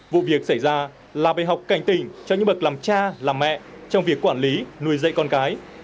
vụ việc xảy ra là bài học cảnh tỉnh cho những bậc làm cha làm mẹ trong việc quản lý nuôi dạy con cái